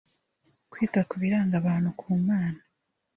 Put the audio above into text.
kwita ku biranga abantu ku Mana